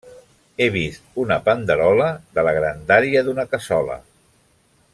He vist una panderola de la grandària d’una cassola.